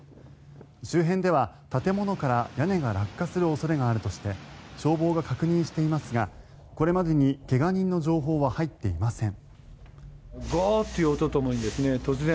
周辺では建物から屋根が落下する恐れがあるとして消防が確認していますがこれまでに怪我人の情報は入っていません。